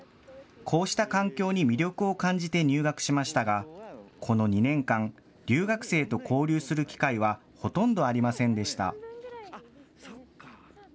こうした環境に魅力を感じて入学しましたが、この２年間、留学生と交流する機会はほとんどありませんでした。